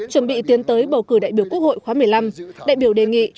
chuẩn bị tiến tới bầu cử đại biểu quốc hội khóa một mươi năm đại biểu đề nghị